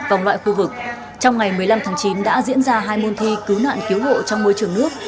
vòng loại khu vực trong ngày một mươi năm tháng chín đã diễn ra hai môn thi cứu nạn cứu hộ trong môi trường nước